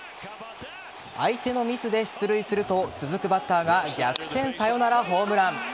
相手のミスで出塁すると続くバッターが逆転サヨナラホームラン。